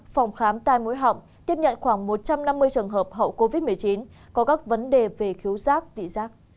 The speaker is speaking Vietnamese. phòng khám tai mũi họng tiếp nhận khoảng một trăm năm mươi trường hợp hậu covid một mươi chín có các vấn đề về thiếu rác vị giác